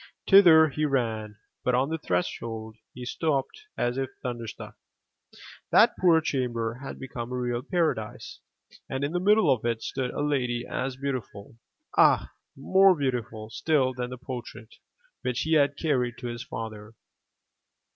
Thither he ran, but on the threshold he stopped as if thunderstruck : That poor chamber had become a real paradise, and in the middle 392 THROUGH FAIRY HALLS of it stood a lady as beautiful, ah! more beautiful still than the portrait which he had carried to his father.